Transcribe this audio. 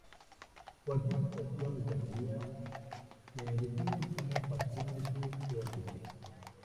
Cualquier situación intermedia se define como parcialmente coherente.